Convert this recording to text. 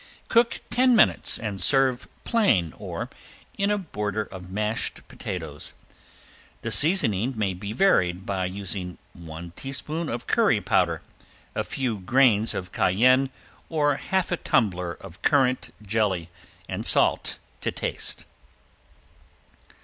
Cook ten minutes and serve plain or in a border of mashed potatoes. The seasoning may be varied by using one teaspoon of curry powder, a few grains of cayenne or half a tumbler of currant jelly and salt to taste.